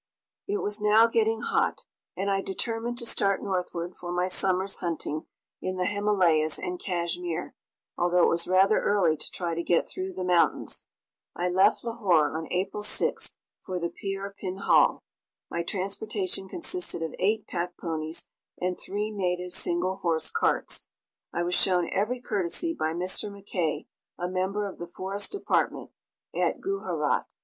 It was now getting hot, and I determined to start northward for my summer's hunting in the Himalayas and Cashmere, although it was rather early to try to get through the mountains. I left Lahore on April 6th for the Pir Pinjal. My transportation consisted of eight pack ponies and three native single horse carts. I was shown every courtesy by Mr. McKay, a member of the Forest Department, at Gujarat.